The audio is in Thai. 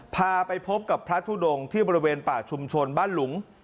พาไปพบกับพระทุดงที่บริเวณป่าชุมชนบ้านหลุง